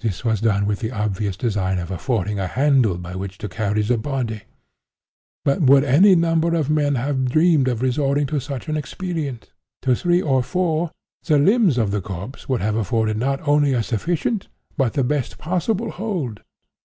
This was done with the obvious design of affording a handle by which to carry the body. But would any number of men have dreamed of resorting to such an expedient? To three or four, the limbs of the corpse would have afforded not only a sufficient, but the best possible hold.